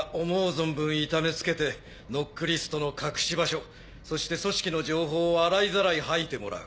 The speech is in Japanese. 存分痛めつけてノックリストの隠し場所そして「組織」の情報を洗いざらい吐いてもらう。